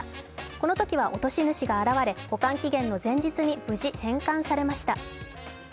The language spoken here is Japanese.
このときは落とし主が現れ、保管期限の前日に無事、返還されました。